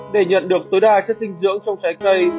để nhận được tối đa chất dinh dưỡng trong trái cây